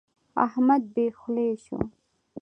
احمد بې خولې شو.